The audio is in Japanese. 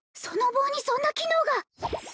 その棒にそんな機能が！？